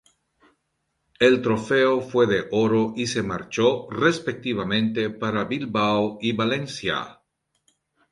El Trofeo fue de oro y se marchó, respectivamente, para Bilbao y Valencia.